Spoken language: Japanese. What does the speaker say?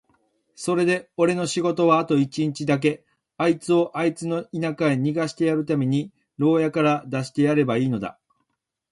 それでおれの仕事はあと一日だけ、あいつをあいつの田舎へ逃してやるために牢屋から出してやればいいのだ。